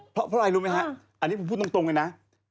เพราะอะไรรู้ไหมฮะอันนี้ผมพูดตรงเลยนะ